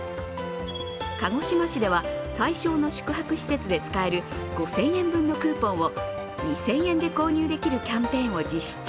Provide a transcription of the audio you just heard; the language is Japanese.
鹿児島市では対象の宿泊施設で使える５０００円分のクーポンを２０００円で購入できるキャンペーンを実施中。